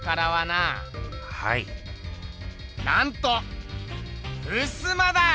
なんとふすまだ！